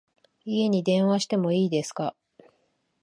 家に電話しても良いですか？